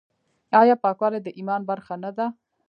آیا پاکوالی د ایمان برخه نه ده؟